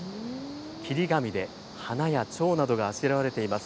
切り紙で、花やちょうなどがあしらわれています。